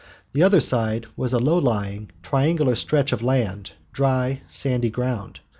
The other side was a low lying, triangular stretch of land, dry, sandy ground.